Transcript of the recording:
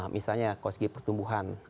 misalnya kalau segi pertumbuhan